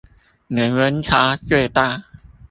年溫差最大